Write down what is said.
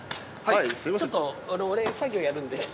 ちょっと俺作業やるんで。